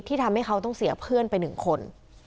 ทำให้เขาต้องเสียเพื่อนไป๑คน